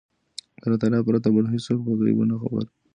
د الله تعالی پرته بل هيڅوک په غيبو نه پوهيږي